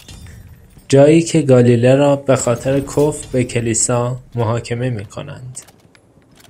جایی که گالیله را به خاطر کفر به کلیسا، محاکمه می کنند.